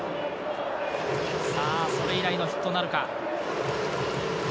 それ以来のヒットなるか？